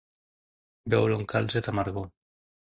Beure un calze d'amargor.